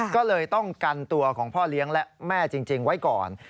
ก็เลยต้องกันตัวของพ่อเลี้ยงและแม่จริงไว้ก่อน